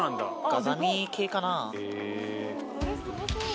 ガザミ系かな。